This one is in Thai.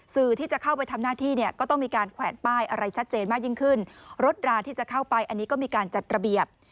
สื่อที่จะเข้าไปทำหน้าที่เนี่ยก็ต้องมีการแขวนป้ายอะไรชัดเจนมากยิ่งขึ้นรถราที่จะเข้าไปอันนี้ก็มีการจัดระเบียบ